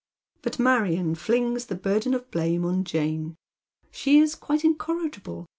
But Marion flings the burden of blame on Jane. She is quite incorrigible.